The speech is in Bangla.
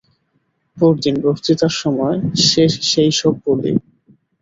পরদিন বক্তৃতার সময় সেই-সব বলি।